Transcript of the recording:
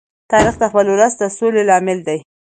تاریخ د خپل ولس د سولې لامل دی.